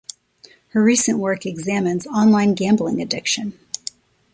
Her recent work examines online gambling addiction.